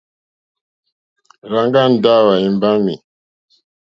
Rzanga Ndawo a imbami.